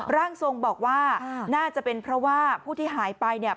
ร่างทรงบอกว่าน่าจะเป็นเพราะว่าผู้ที่หายไปเนี่ย